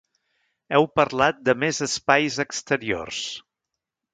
Heu parlat de més espais exteriors.